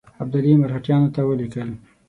ابدالي مرهټیانو ته ولیکل.